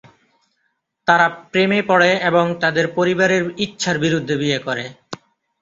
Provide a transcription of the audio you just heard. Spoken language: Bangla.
তারা প্রেমে পড়ে এবং তাদের পরিবারের ইচ্ছার বিরুদ্ধে বিয়ে করে।